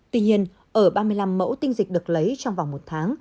tuy nhiên ở ba mươi năm mẫu tinh dịch được lấy trong vòng một tháng